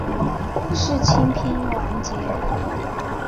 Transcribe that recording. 世青篇完结。